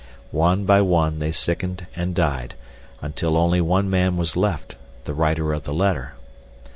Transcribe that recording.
One by one they sickened and died, until only one man was left, the writer of the letter.